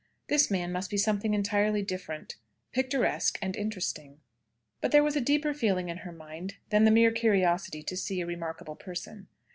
This man must be something entirely different picturesque and interesting. But there was a deeper feeling in her mind than the mere curiosity to see a remarkable person.